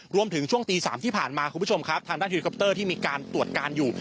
รวมถึงช่วงตีสามที่ผ่านมาคุณผู้ชมครับทางด้านทีมข่าวที่มีการตรวจการอยู่